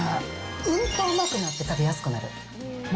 うんと甘くなって食べやすくなる。